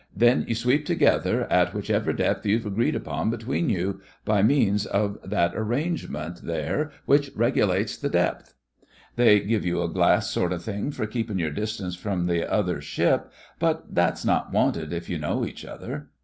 Then you sweep together at which ever depth you've agreed upon be tween you, by means of that ar 26 THE FRINGES OF THE FLEET rangement there which regulates the depth. They give you a glass sort o' thing for keepin' your distance from the other ship, but thafs not wanted if you know each other.